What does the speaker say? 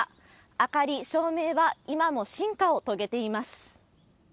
明かり、照明は今も進化を遂げています。